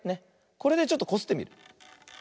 これでちょっとこすってみる。